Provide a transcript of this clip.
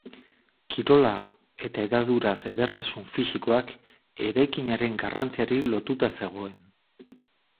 Kirola eta hedaduraz edertasun fisikoak, eraikinaren garrantziari lotuta zegoen.